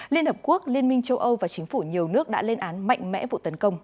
liên hợp quốc liên minh châu âu và chính phủ nhiều nước đã lên án mạnh mẽ vụ tấn công